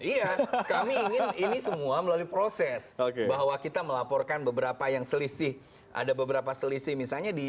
iya kami ingin ini semua melalui proses bahwa kita melaporkan beberapa yang selisih ada beberapa selisih misalnya di